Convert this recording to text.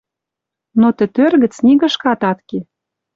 Но тӹ тӧр гӹц нигышкат ат ке.